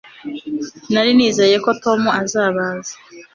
Nari nizeye ko Tom azabaza